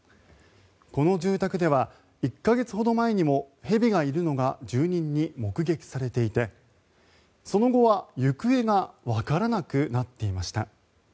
この住宅では１か月ほど前にも蛇がいるのが住人に目撃されていてその後は行方がわからなくなっていました。